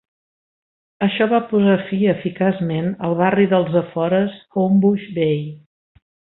Això va posar fi eficaçment al barri dels afores Homebush Bay.